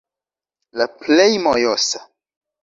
La plej mojosa-